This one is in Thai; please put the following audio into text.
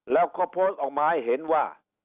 แล้วเค้าพบออกมาให้เห็นว่า